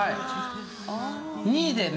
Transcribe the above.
２位でね